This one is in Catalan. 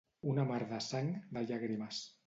Una mar de sang, de llàgrimes.